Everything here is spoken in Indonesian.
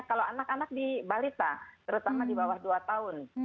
kalau anak anak di balita terutama di bawah dua tahun